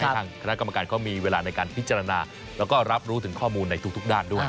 ทางคณะกรรมการเขามีเวลาในการพิจารณาแล้วก็รับรู้ถึงข้อมูลในทุกด้านด้วย